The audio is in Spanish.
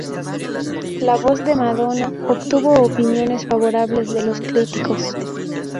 La voz de Madonna obtuvo opiniones favorables de los críticos.